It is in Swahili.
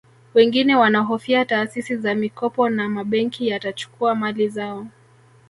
Wengine wanahofia taasisi za mikopo na mabenki yatachukua mali zao